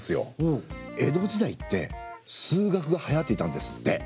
江戸時代って数学がはやっていたんですって。